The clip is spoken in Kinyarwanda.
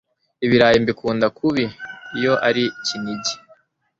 Ibirayi mbikunda kubi iyo ari kinigi